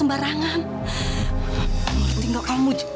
kamu berarti tidak